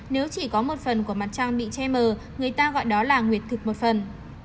nếu chỉ có một phần của mặt trăng bị che mờ người ta gọi đó là nguyệt thực một phần